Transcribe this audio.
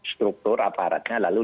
struktur aparatnya lalu